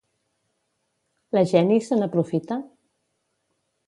La Jenny se n'aprofita?